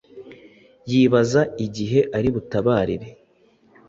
yibaza igihe ari butabarire